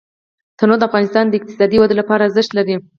تنوع د افغانستان د اقتصادي ودې لپاره ارزښت لري.